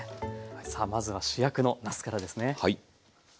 さあまずは主役のなすからですね。